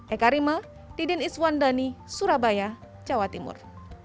eka rima didin iswandani surabaya jawa timur